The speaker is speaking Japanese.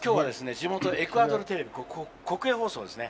地元エクアドルテレビ国営放送ですね。